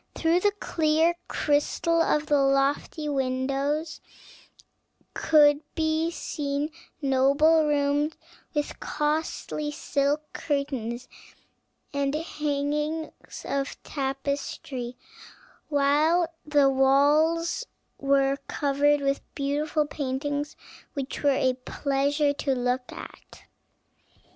Through the clear crystal of the lofty windows could be seen noble rooms, with costly silk curtains and hangings of tapestry; while the walls were covered with beautiful paintings which were a pleasure to look at.